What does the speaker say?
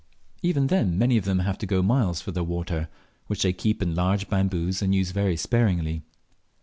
Even then many of them have to go miles for their water, which they keep in large bamboos and use very sparingly.